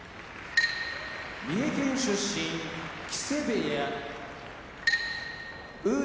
三重県出身木瀬部屋宇良